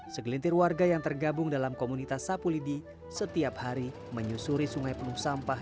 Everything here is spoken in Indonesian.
segelintir warga yang tergabung dalam komunitas sapu lidi setiap hari menyusuri sungai penuh sampah